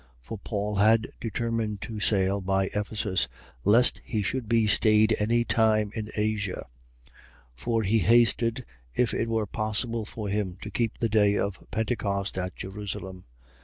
For Paul had determined to sail by Ephesus, lest he should be stayed any time in Asia. For he hasted. if it were possible for him, to keep the day of Pentecost at Jerusalem.